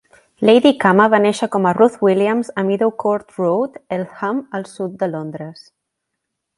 Lady Khama va néixer com a Ruth Williams a Meadowcourt Road, Eltham, al sud de Londres.